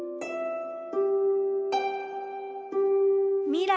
未来。